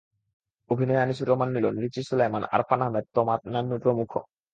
অভিনয়ে আনিসুর রহমান মিলন, রিচি সোলায়মান, আরফান আহমেদ, তমা, নান্নু প্রমুখ।